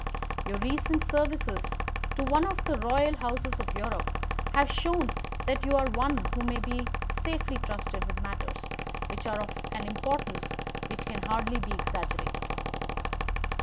Your recent services to one of the royal houses of Europe have shown that you are one who may safely be trusted with matters which are of an importance which can hardly be exaggerated.